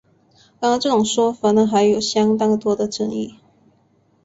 然而这种说法还有相当多的争议。